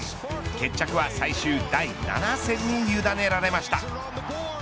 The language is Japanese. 決着は最終第７戦に委ねられました。